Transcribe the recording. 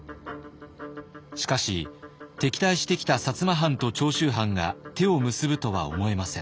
しかし敵対してきた摩藩と長州藩が手を結ぶとは思えません。